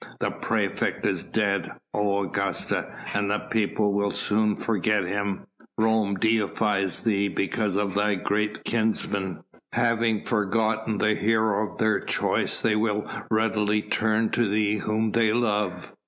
"The praefect is dead, O Augusta, and the people will soon forget him. Rome deifies thee because of thy great kinsman. Having forgotten the hero of their choice they will readily turn to thee whom they love.